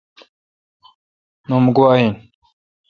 نوم گوا این۔